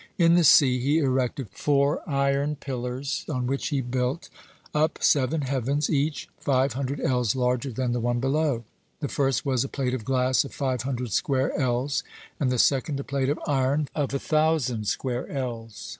In the sea he erected four iron pillars, on which he build up seven heavens, each five hundred ells larger than the one below. The first was a plate of glass of five hundred square ells, and the second a plate of iron of a thousand square ells.